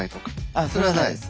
あっそれはないです。